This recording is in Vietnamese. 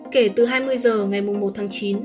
kể từ hai mươi h ngày một tháng chín